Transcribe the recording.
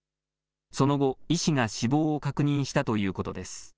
その後、医師が死亡を確認したということです。